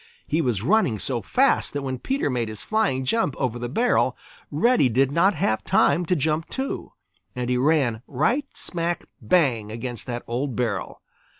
He was running so fast that when Peter made his flying jump over the barrel, Reddy did not have time to jump too, and he ran right smack bang against that old barrel.